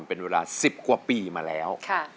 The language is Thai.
เป็นเวลา๑๐กว่าปีมาแล้ว